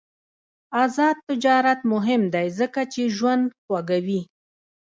آزاد تجارت مهم دی ځکه چې ژوند خوږوي.